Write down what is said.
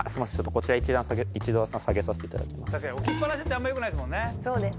こちら一度下げさせていただきます